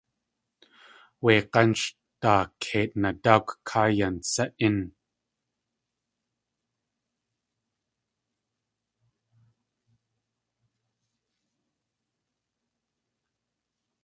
Wé g̲ánch daakeit nadáakw káa yan sa.ín!